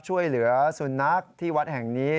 ช่วยเหลือสุนัขที่วัดแห่งนี้